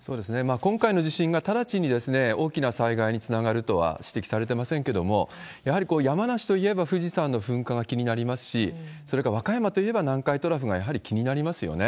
今回の地震がただちに大きな災害につながるとは指摘されてませんけれども、やはり山梨といえば富士山の噴火が気になりますし、それから和歌山といえば南海トラフがやはり気になりますよね。